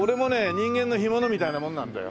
人間の干物みたいなもんなんだよ。